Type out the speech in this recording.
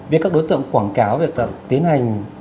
việc các đối tượng quảng cáo việc tiến hành